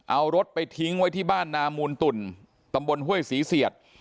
เอารถไปทิ้งไว้ที่บ้านนามูลตุ่นตำบลห้วยศรีเสียด